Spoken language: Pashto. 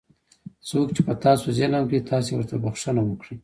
څوک چې په تاسو ظلم کوي تاسې ورته بښنه وکړئ.